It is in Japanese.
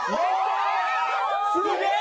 すげえ！